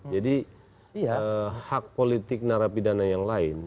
jadi hak politik narapidana yang lain